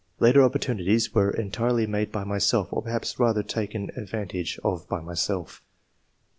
Later opportunities were entirely made by myself, or perhaps, rather, taken ad van. tage of by myself."